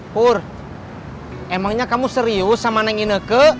pur emangnya kamu serius sama neng ineke